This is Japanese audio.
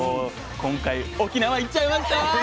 今回沖縄行っちゃいました！